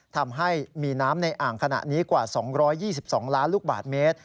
ทำให้มีน้ำในอ่างขณะนี้กว่า๒๒ล้านลูกบาทเมตร